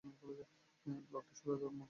ব্লকটির সদর দপ্তর মশাটে।